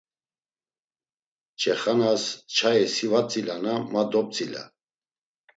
Çexanas nçai si va tzilana ma dop̌tzila?